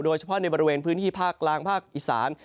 โดยเฉพาะในบริเวณพื้นที่ภาคกลางภาคอีสาน